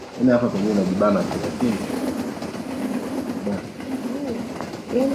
ya imani inayodhihirishwa na Biblia maandiko ya Kimungu yasiyoweza